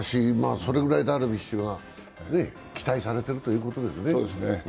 それぐらいダルビッシュが期待されているということですね。